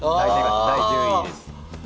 第１０位です。